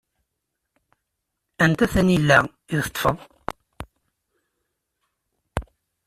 Anta tanila i teṭṭfeḍ?